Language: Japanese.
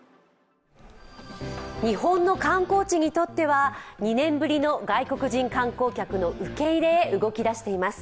日本の観光地にとっては２年ぶりの外国人観光客の受け入れへ動きだしています。